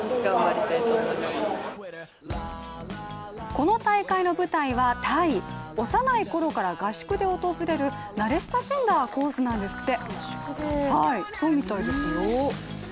この大会の舞台はタイ、幼いころから合宿で訪れる慣れ親しんだコースなんですって。